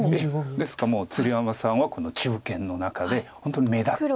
ですが鶴山さんは中堅の中で本当に目立って。